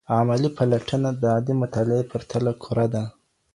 علمي پلټنه د عادي مطالعې په پرتله کره ده.